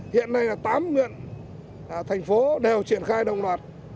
hiện nay là tám huyện thành phố đều triển khai đồng loạt